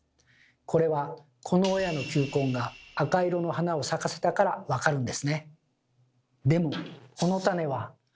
これはこの親の球根が赤色の花を咲かせたから分かるんですね。